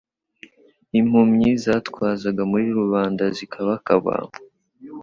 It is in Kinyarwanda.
Impumyi zatwazaga muri rubanda zikabakaba,